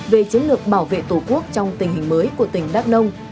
về chiến lược bảo vệ tổ quốc trong tình hình mới của tỉnh đắk nông